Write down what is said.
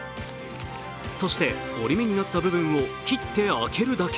そして、折り目になった部分を切って開けるだけ。